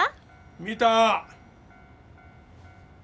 見た！